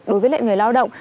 đối với người lao động